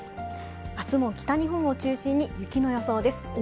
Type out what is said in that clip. あすも北日本を中心に雪の予想です。